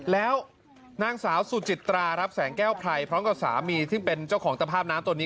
แล้วนางสาวสุจิตรารับแสงแก้วไพรพร้อมกับสามีซึ่งเป็นเจ้าของตภาพน้ำตัวนี้